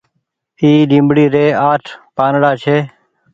اي ليبڙي ري آٺ پآنڙآ ڇي۔